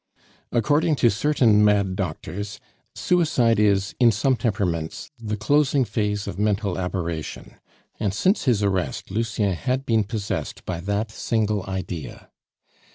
According to certain mad doctors, suicide is in some temperaments the closing phase of mental aberration; and since his arrest Lucien had been possessed by that single idea.